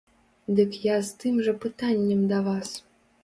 Дык я з тым жа пытаннем да вас.